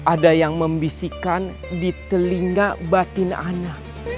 ada yang membisikkan di telinga batin ana